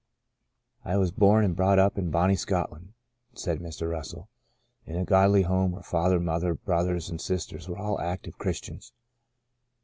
"I was born and brought up in Bonnie Scotland," said Mr. Russell, " in a godly home where father, mother, brothers and sisters were all active Christians.